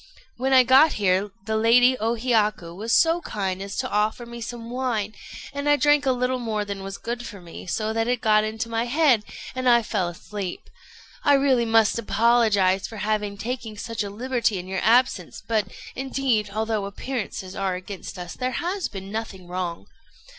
When I got here, the Lady O Hiyaku was so kind as to offer me some wine; and I drank a little more than was good for me, so that it got into my head, and I fell asleep. I must really apologize for having taken such a liberty in your absence; but, indeed, although appearances are against us, there has been nothing wrong."